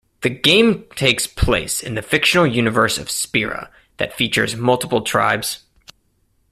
The game takes place in the fictional universe of Spira that features multiple tribes.